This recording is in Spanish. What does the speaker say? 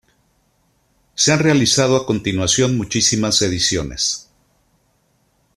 Se han realizado a continuación muchísimas ediciones.